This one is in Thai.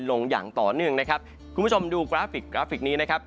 ลงอย่างต่อเนื่องนะครับคุณผู้ชมดูกราฟิกกราฟิกนี้นะครับ